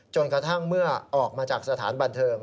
กระทั่งเมื่อออกมาจากสถานบันเทิง